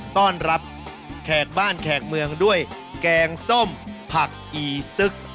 ต้อนรับแขกบ้านแขกเมืองด้วยแกงส้มผักอีซึก